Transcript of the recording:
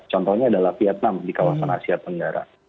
contohnya adalah vietnam di kawasan asia tenggara